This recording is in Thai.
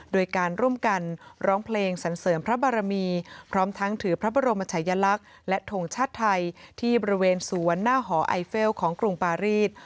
โดยการร่วมกันร้องเพลงสันเสริมพระบารมีพร้อมทั้งถือพระบรมชายลักษณ์และทงชาติไทยที่บริเวณสวนหน้าหอไอเฟลของกรุงปารีส